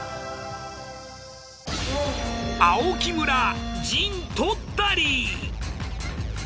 青木村陣取ったり。